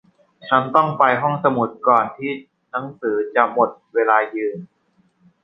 ฉันต้องไปห้องสมุดก่อนที่หนังสือจะหมดเวลายืม